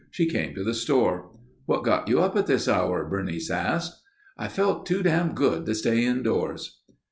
She came to the store. "What got you up at this hour?" Bernice asked. "I felt too dam' good to stay indoors...."